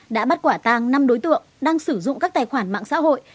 đã bắt quả tàng năm đối tượng đang sử dụng các tài khoản mạng xã hội